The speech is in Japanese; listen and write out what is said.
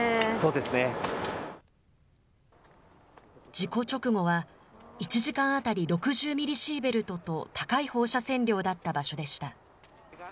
事故直後は、１時間当たり６０ミリシーベルトと、高い放射線量だった場所でした。